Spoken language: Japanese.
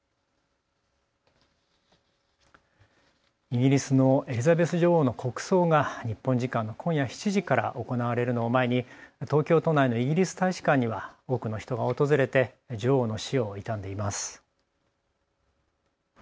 イギリスのエリザベス女王の国葬が日本時間の今夜７時から行われるのを前に東京都内のイギリス大使館には多くの人が訪れて女王の死を悼んでいます。